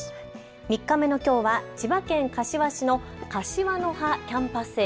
３日目のきょうは千葉県柏市の柏の葉キャンパス駅。